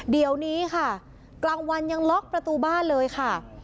เดี๋ยวนี้ค่ะกลางวันยังล็อกประตูบ้านเลยค่ะ